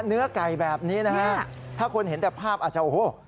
เนื้อไก่แบบนี้นะฮะถ้าคนเห็นแต่ภาพอาจจะโอ้โห